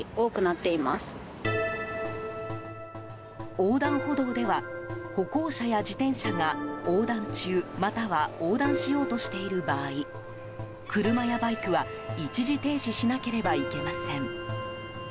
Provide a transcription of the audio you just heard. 横断歩道では歩行者や自転車が横断中または横断しようとしている場合車やバイクは一時停止しなければいけません。